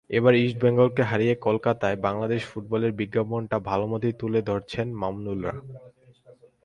এবার ইস্টবেঙ্গলকে হারিয়ে কলকাতায় বাংলাদেশের ফুটবলের বিজ্ঞাপনটা ভালোমতোই তুলে ধরেছেন মামুনুলরা।